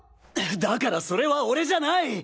だからそれは俺じゃない！